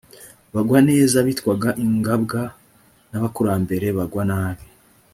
bagwa neza bitwaga ingabwa n abakurambere bagwa nabi